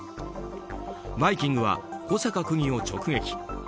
「バイキング」は小坂区議を直撃。